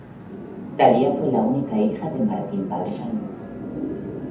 Talia fue la única hija de Martin Balsam.